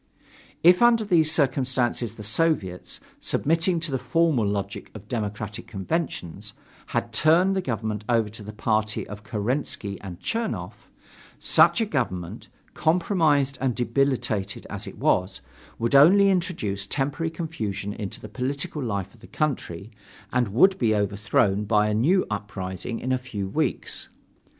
If under these circumstances the Soviets, submitting to the formal logic of democratic conventions, had turned the government over to the party of Kerensky and Chernov, such a government, compromised and debilitated as it was, would only introduce temporary confusion into the political life of the country, and would be overthrown by a new uprising in a few weeks.